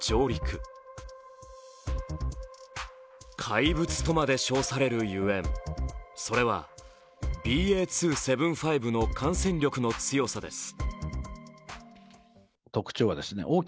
怪物とまで称されるゆえん、それはＢＡ．２．７５の感染力の強さです。